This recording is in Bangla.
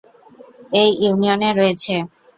এই ইউনিয়নে রয়েছেঃ